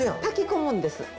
炊き込むんです。